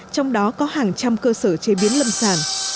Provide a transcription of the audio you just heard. trong đó có hàng trăm cơ sở chế biến lâm sản